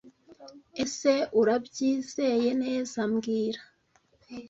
Ese Urabyizeye neza mbwira